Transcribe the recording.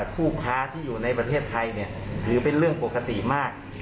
ผู้ค้าที่อยู่ในประเทศไทยถือเป็นเรื่องปกติมาก